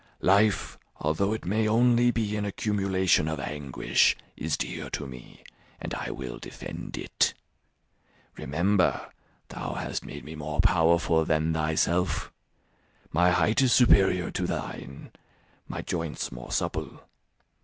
Life, although it may only be an accumulation of anguish, is dear to me, and I will defend it. Remember, thou hast made me more powerful than thyself; my height is superior to thine, my joints more supple.